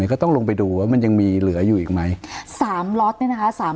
ก็ต้องลงไปดูว่ามันยังมีเหลืออยู่อีกไหม